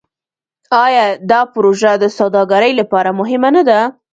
آیا دا پروژه د سوداګرۍ لپاره مهمه نه ده؟